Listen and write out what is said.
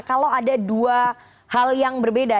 kalau ada dua hal yang berbeda